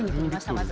まず。